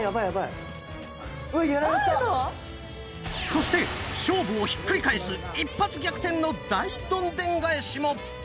そして勝負をひっくり返す一発逆転の大どんでん返しも！